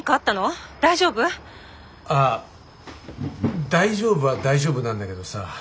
ああ大丈夫は大丈夫なんだけどさ。